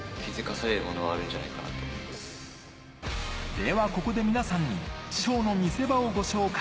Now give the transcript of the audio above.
では、ここで皆さんにショーの見せ場を、ご紹介。